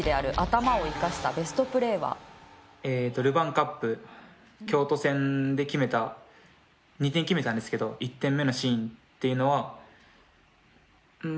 ルヴァンカップ京都戦で決めた２点決めたんですけど１点目のシーンっていうのは。